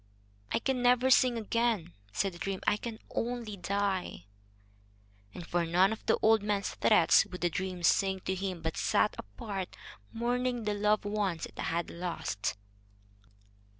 "I can never sing again," said the dream. "I can only die." And for none of the old man's threats would the dream sing to him, but sat apart, mourning the loved ones it had lost.